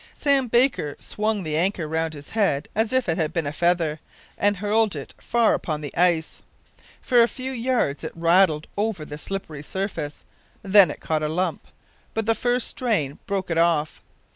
Sam Baker swung the anchor round his head as if it had been a feather, and hurled it far upon the ice. For a few yards it rattled over the slippery surface; then it caught a lump, but the first strain broke it off.